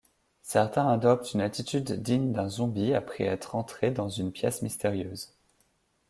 Certains adoptent une attitude digne d'un zombie après être entrés dans une pièce mystérieuse.